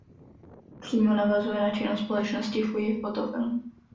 Přímo navazuje na činnost společnosti Fuji Photo Film.